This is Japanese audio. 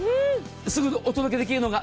すぐお届けできるのが。